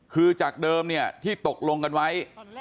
คือจากเดิมที่ตกลงกันไว้๑๔๙๙๙๙